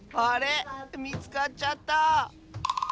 みつかっちゃった！